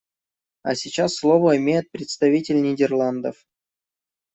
А сейчас слово имеет представитель Нидерландов.